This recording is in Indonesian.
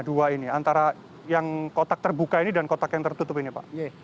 dua ini antara yang kotak terbuka ini dan kotak yang tertutup ini pak